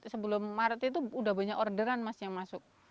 sebelum maret itu udah banyak orderan mas yang masuk